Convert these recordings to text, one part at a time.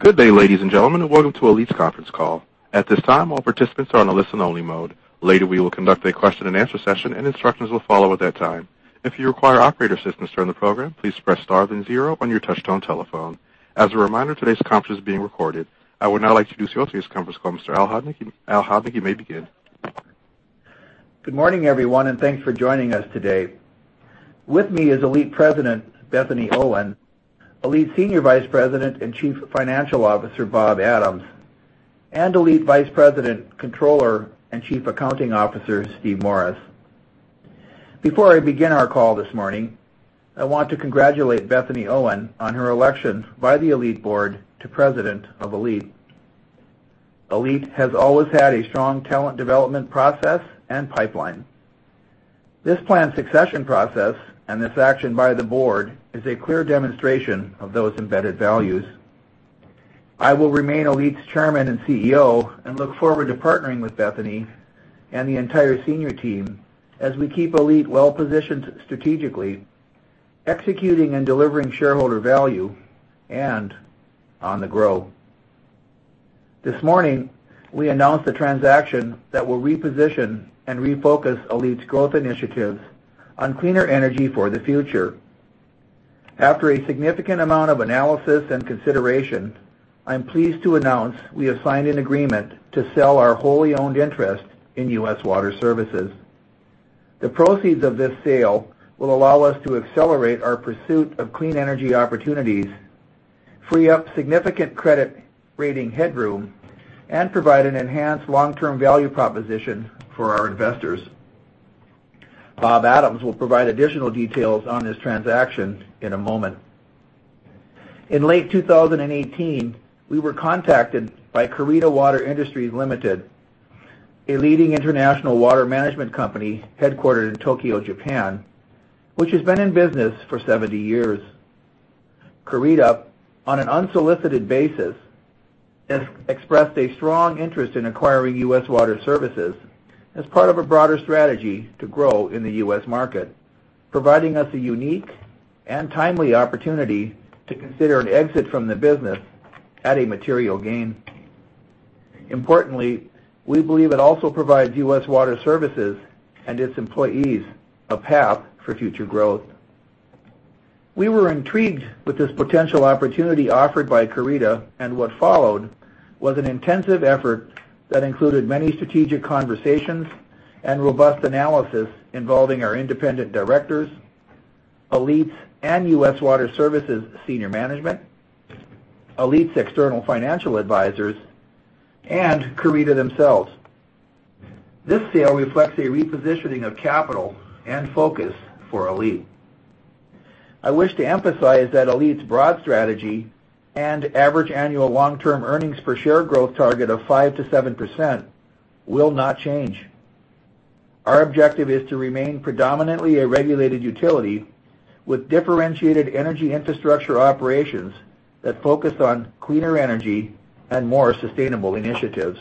Good day, ladies and gentlemen, and welcome to ALLETE's conference call. At this time, all participants are in a listen-only mode. Later, we will conduct a question-and-answer session, and instructions will follow at that time. If you require operator assistance during the program, please press star then zero on your touch-tone telephone. As a reminder, today's conference is being recorded. I would now like to introduce the host of today's conference call, Mr. Al Hodnik. Al Hodnik, you may begin. Good morning, everyone, and thanks for joining us today. With me is ALLETE President Bethany Owen; ALLETE Senior Vice President and Chief Financial Officer Bob Adams; and ALLETE Vice President, Controller, and Chief Accounting Officer Steve Morris. Before I begin our call this morning, I want to congratulate Bethany Owen on her election by the ALLETE Board to president of ALLETE. ALLETE has always had a strong talent development process and pipeline. This planned succession process, and this action by the board, is a clear demonstration of those embedded values. I will remain ALLETE's Chairman and CEO and look forward to partnering with Bethany and the entire senior team as we keep ALLETE well-positioned strategically, executing and delivering shareholder value, and on the grow. This morning, we announce the transaction that will reposition and refocus ALLETE's growth initiatives on cleaner energy for the future. After a significant amount of analysis and consideration, I'm pleased to announce we have signed an agreement to sell our wholly owned interest in U.S. Water Services. The proceeds of this sale will allow us to accelerate our pursuit of clean energy opportunities, free up significant credit rating headroom, and provide an enhanced long-term value proposition for our investors. Bob Adams will provide additional details on this transaction in a moment. In late 2018, we were contacted by Kurita Water Industries Ltd., a leading international water management company headquartered in Tokyo, Japan, which has been in business for 70 years. Kurita, on an unsolicited basis, has expressed a strong interest in acquiring U.S. Water Services as part of a broader strategy to grow in the U.S. market, providing us a unique and timely opportunity to consider an exit from the business at a material gain. Importantly, we believe it also provides U.S. Water Services and its employees a path for future growth. We were intrigued with this potential opportunity offered by Kurita, and what followed was an intensive effort that included many strategic conversations and robust analysis involving our independent directors, ALLETE's and U.S. Water Services' senior management, ALLETE's external financial advisors, and Kurita themselves. This sale reflects a repositioning of capital and focus for ALLETE. I wish to emphasize that ALLETE's broad strategy and average annual long-term earnings per share growth target of 5%-7% will not change. Our objective is to remain predominantly a regulated utility with differentiated energy infrastructure operations that focus on cleaner energy and more sustainable initiatives.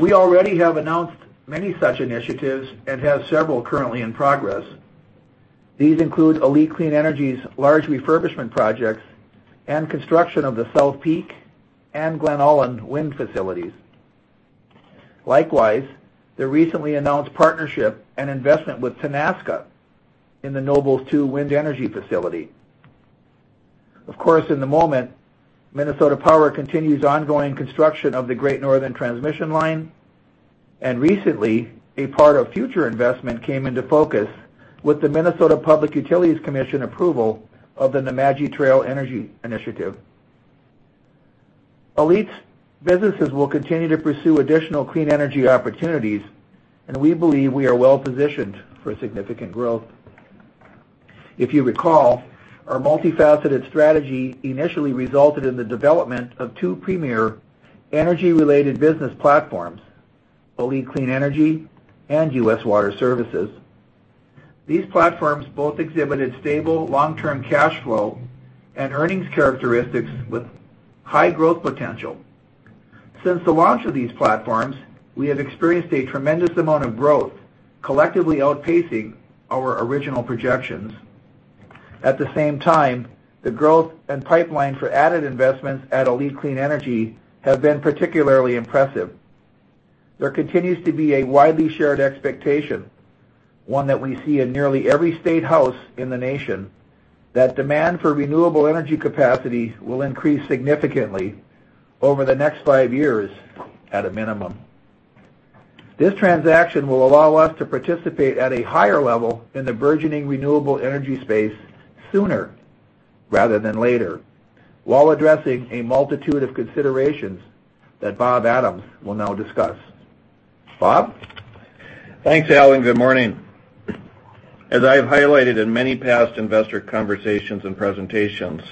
We already have announced many such initiatives and have several currently in progress. These include ALLETE Clean Energy's large refurbishment projects and construction of the South Peak and Glen Ullin wind facilities. Likewise, the recently announced partnership and investment with Tenaska in the Nobles 2 wind energy facility. Of course, in the moment, Minnesota Power continues ongoing construction of the Great Northern Transmission Line, and recently, a part of future investment came into focus with the Minnesota Public Utilities Commission approval of the Nemadji Trail Energy initiative. ALLETE's businesses will continue to pursue additional clean energy opportunities, and we believe we are well-positioned for significant growth. If you recall, our multifaceted strategy initially resulted in the development of two premier energy-related business platforms, ALLETE Clean Energy and U.S. Water Services. These platforms both exhibited stable long-term cash flow and earnings characteristics with high growth potential. Since the launch of these platforms, we have experienced a tremendous amount of growth, collectively outpacing our original projections. At the same time, the growth and pipeline for added investments at ALLETE Clean Energy have been particularly impressive. There continues to be a widely shared expectation, one that we see in nearly every state house in the nation, that demand for renewable energy capacity will increase significantly over the next five years at a minimum. This transaction will allow us to participate at a higher level in the burgeoning renewable energy space sooner rather than later, while addressing a multitude of considerations that Bob Adams will now discuss. Bob? Thanks, Al, and good morning. As I have highlighted in many past investor conversations and presentations,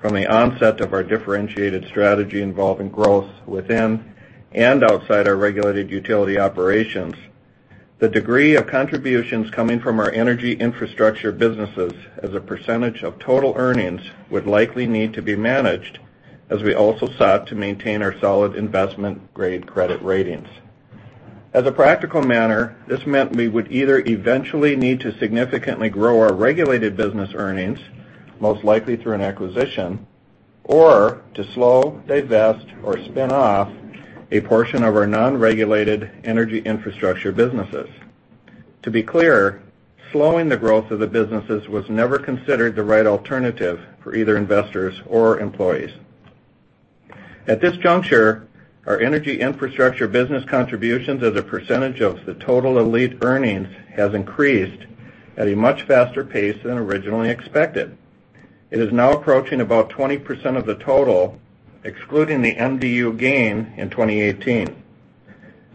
from the onset of our differentiated strategy involving growth within and outside our regulated utility operations, the degree of contributions coming from our energy infrastructure businesses as a percentage of total earnings would likely need to be managed as we also sought to maintain our solid investment-grade credit ratings. As a practical manner, this meant we would either eventually need to significantly grow our regulated business earnings, most likely through an acquisition, or to slow, divest, or spin off a portion of our non-regulated energy infrastructure businesses. To be clear, slowing the growth of the businesses was never considered the right alternative for either investors or employees. At this juncture, our energy infrastructure business contributions as a percentage of the total ALLETE earnings has increased at a much faster pace than originally expected. It is now approaching about 20% of the total, excluding the MDU gain in 2018.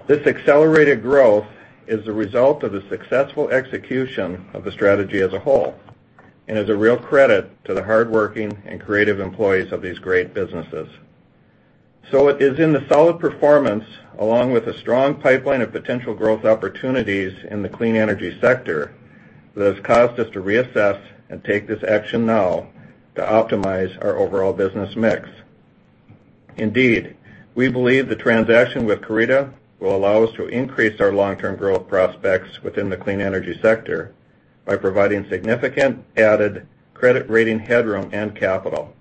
This accelerated growth is the result of the successful execution of the strategy as a whole and is a real credit to the hardworking and creative employees of these great businesses. It is in the solid performance, along with a strong pipeline of potential growth opportunities in the clean energy sector, that has caused us to reassess and take this action now to optimize our overall business mix. Indeed, we believe the transaction with Kurita will allow us to increase our long-term growth prospects within the clean energy sector by providing significant added credit rating headroom and capital.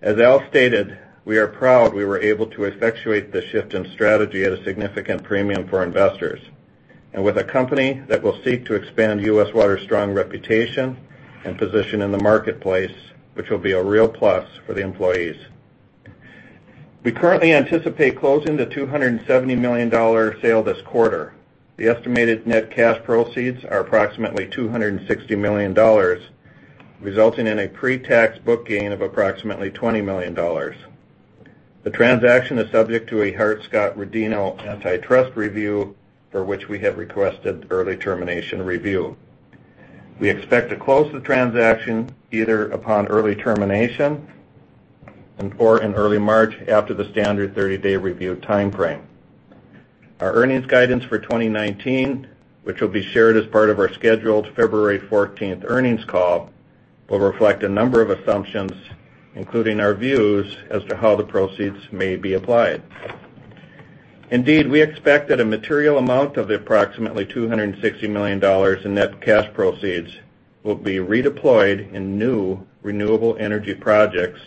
As Al stated, we are proud we were able to effectuate the shift in strategy at a significant premium for investors, and with a company that will seek to expand U.S. Water's strong reputation and position in the marketplace, which will be a real plus for the employees. We currently anticipate closing the $270 million sale this quarter. The estimated net cash proceeds are approximately $260 million, resulting in a pre-tax book gain of approximately $20 million. The transaction is subject to a Hart-Scott-Rodino antitrust review, for which we have requested early termination review. We expect to close the transaction either upon early termination or in early March after the standard 30-day review timeframe. Our earnings guidance for 2019, which will be shared as part of our scheduled February 14th earnings call, will reflect a number of assumptions, including our views as to how the proceeds may be applied. Indeed, we expect that a material amount of the approximately $260 million in net cash proceeds will be redeployed in new renewable energy projects,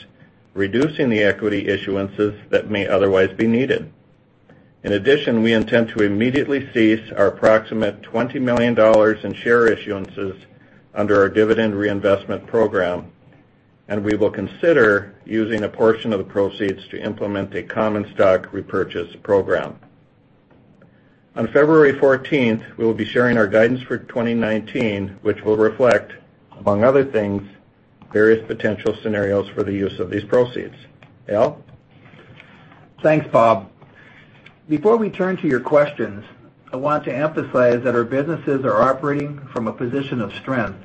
reducing the equity issuances that may otherwise be needed. In addition, we intend to immediately cease our approximate $20 million in share issuances under our dividend reinvestment program, and we will consider using a portion of the proceeds to implement a common stock repurchase program. On February 14th, we will be sharing our guidance for 2019, which will reflect, among other things, various potential scenarios for the use of these proceeds. Al? Thanks, Bob. Before we turn to your questions, I want to emphasize that our businesses are operating from a position of strength.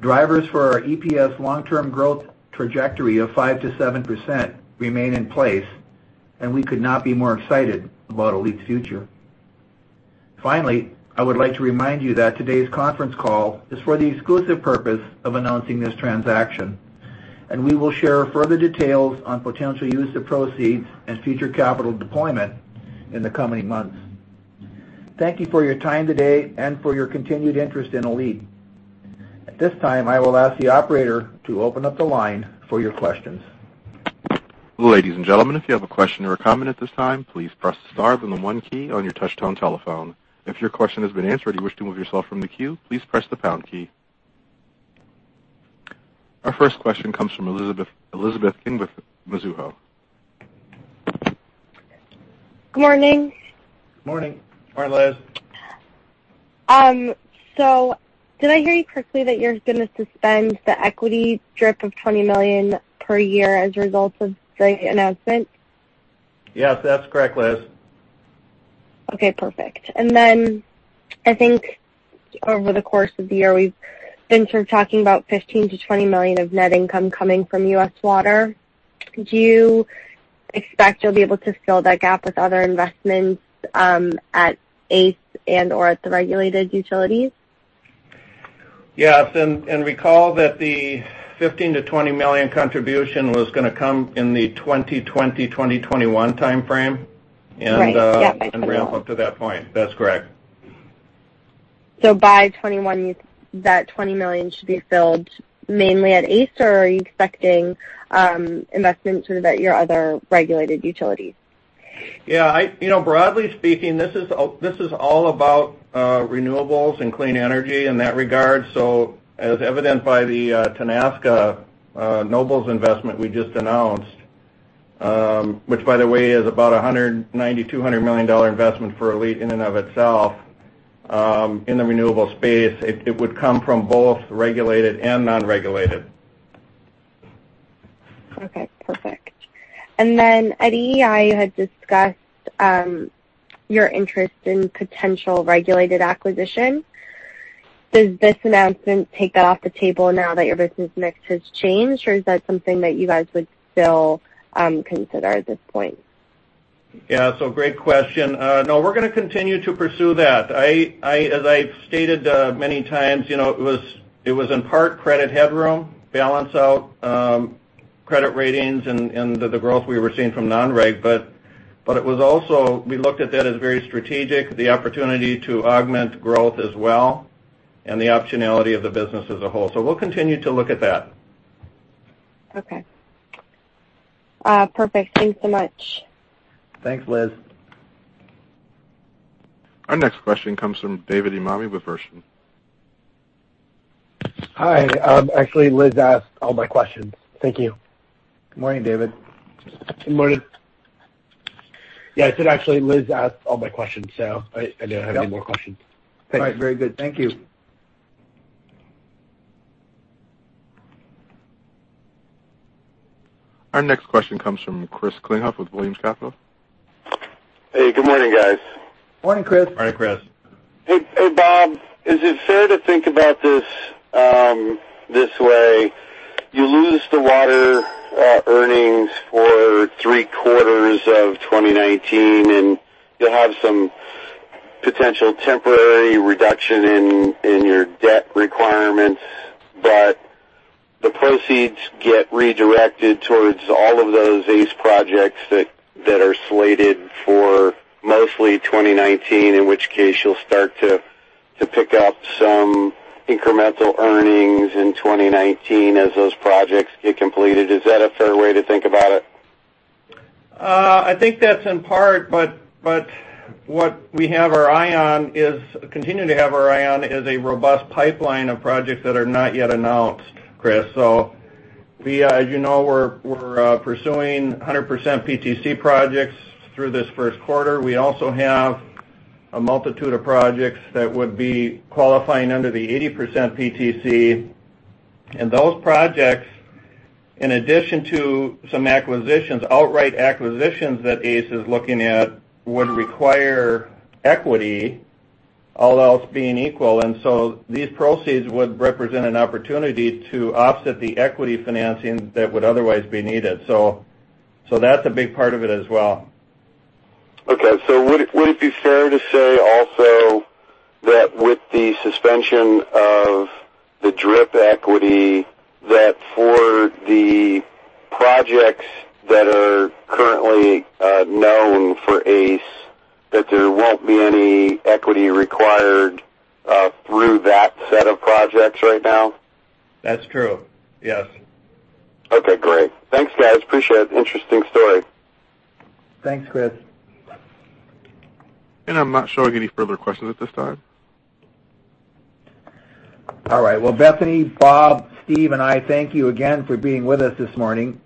Drivers for our EPS long-term growth trajectory of 5%-7% remain in place, and we could not be more excited about ALLETE's future. Finally, I would like to remind you that today's conference call is for the exclusive purpose of announcing this transaction, and we will share further details on potential use of proceeds and future capital deployment in the coming months. Thank you for your time today and for your continued interest in ALLETE. At this time, I will ask the operator to open up the line for your questions. Ladies and gentlemen, if you have a question or a comment at this time, please press star 1 key on your touch-tone telephone. If your question has been answered and you wish to remove yourself from the queue, please press the pound key. Our first question comes from Elizabeth King, Mizuho. Good morning. Morning. Morning, Liz. Did I hear you correctly that you're going to suspend the equity drip of $20 million per year as a result of today's announcement? Yes, that's correct, Liz. Okay, perfect. Then I think over the course of the year, we've been sort of talking about $15 million-$20 million of net income coming from U.S. Water. Do you expect you'll be able to fill that gap with other investments at ACE and/or at the regulated utilities? Yes, recall that the $15 million-$20 million contribution was going to come in the 2020, 2021 timeframe. Right. Yeah. Ramp up to that point. That's correct. By 2021, that $20 million should be filled mainly at ACE, or are you expecting investments from your other regulated utilities? Yeah. Broadly speaking, this is all about renewables and clean energy in that regard. As evidenced by the Tenaska Nobles investment we just announced, which by the way is about $190 million-$200 million investment for ALLETE in and of itself, in the renewable space, it would come from both regulated and non-regulated. Okay, perfect. At EEI, you had discussed your interest in potential regulated acquisition. Does this announcement take that off the table now that your business mix has changed, or is that something that you guys would still consider at this point? Yeah. Great question. No, we're going to continue to pursue that. As I've stated many times, it was in part credit headroom, balance out credit ratings and the growth we were seeing from non-reg, it was also, we looked at that as very strategic, the opportunity to augment growth as well, and the optionality of the business as a whole. We'll continue to look at that. Okay. Perfect. Thanks so much. Thanks, Liz. Our next question comes from David Emami with Verition. Hi. Actually, Liz asked all my questions. Thank you. Good morning, David. Good morning. Yeah, I said, actually, Liz asked all my questions, so I didn't have any more questions. Thanks. All right. Very good. Thank you. Our next question comes from Chris Ellinghaus with Williams Capital. Hey, good morning, guys. Morning, Chris. Morning, Chris. Hey, Bob, is it fair to think about this way, you lose the water earnings for three quarters of 2019, and you'll have some potential temporary reduction in your debt requirements, but the proceeds get redirected towards all of those ACE projects that are slated for mostly 2019, in which case you'll start to pick up some incremental earnings in 2019 as those projects get completed. Is that a fair way to think about it? I think that's in part, but what we continue to have our eye on is a robust pipeline of projects that are not yet announced, Chris. As you know, we're pursuing 100% PTC projects through this first quarter. We also have a multitude of projects that would be qualifying under the 80% PTC. Those projects, in addition to some acquisitions, outright acquisitions that ACE is looking at, would require equity, all else being equal. These proceeds would represent an opportunity to offset the equity financing that would otherwise be needed. That's a big part of it as well. Okay. Would it be fair to say also that with the suspension of the drip equity, that for the projects that are currently known for ACE, that there won't be any equity required through that set of projects right now? That's true. Yes. Okay, great. Thanks, guys. Appreciate it. Interesting story. Thanks, Chris. I'm not showing any further questions at this time. All right. Well, Bethany, Bob, Steve, and Al Hodnik thank you again for being with us this morning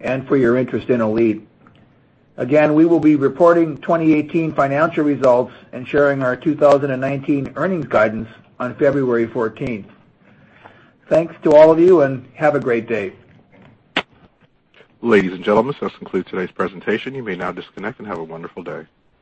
and for your interest in ALLETE. Again, we will be reporting 2018 financial results and sharing our 2019 earnings guidance on February 14th. Thanks to all of you, and have a great day. Ladies and gentlemen, this concludes today's presentation. You may now disconnect, and have a wonderful day.